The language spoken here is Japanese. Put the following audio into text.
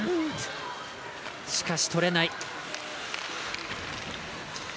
しかし、とれない。